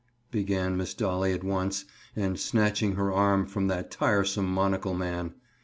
began Miss Dolly at once, and snatching her arm from that tiresome monocle man.